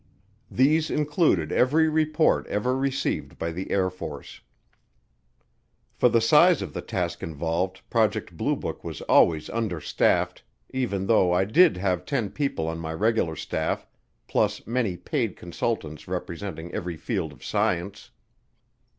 These included every report ever received by the Air Force. For the size of the task involved Project Blue Book was always understaffed, even though I did have ten people on my regular staff plus many paid consultants representing every field of science.